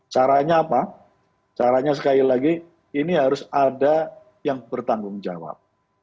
caranya apa caranya sekali lagi ini harus ada yang bertanggung jawab